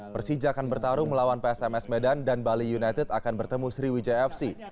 persija akan bertarung melawan psms medan dan bali united akan bertemu sriwijaya fc